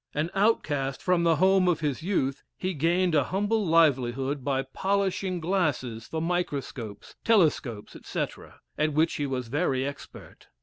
An outcast from the home of his youth, he gained a humble livelihood by polishing glasses for microscopes, telescopes, etc., at which he was very expert.